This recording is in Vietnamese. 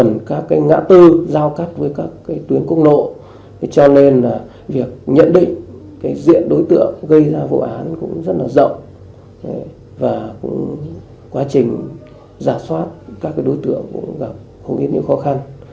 ngã tư giao cắt với các tuyến công nộ cho nên việc nhận định diện đối tượng gây ra vụ án cũng rất là rộng và quá trình giả soát các đối tượng cũng gặp không ít những khó khăn